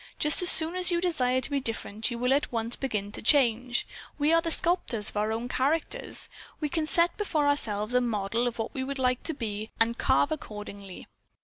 "Just as soon as you desire to be different you will at once begin to change. We are the sculptors of our own characters. We can set before ourselves a model of what we would like to be and carve accordingly."